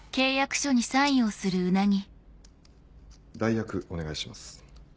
代役お願いします。